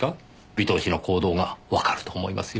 尾藤氏の行動がわかると思いますよ。